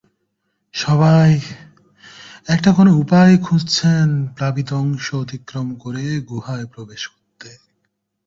সবাই একটা কোনো উপায় খুঁজছেন প্লাবিত অংশ অতিক্রম করে গুহায় প্রবেশ করতে।